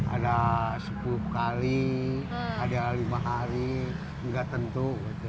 ada sepuluh kali ada lima hari nggak tentu